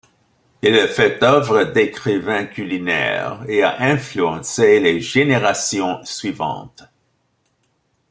Il a fait œuvre d'écrivain culinaire et a influencé les générations suivantes.